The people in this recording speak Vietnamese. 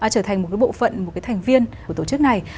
trở thành một cái bộ phận một cái thành viên của tổ chức này